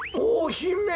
ひめ。